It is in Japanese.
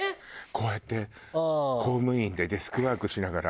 こうやって公務員でデスクワークしながら。